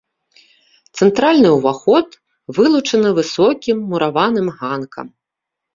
Цэнтральны ўваход вылучаны высокім мураваным ганкам.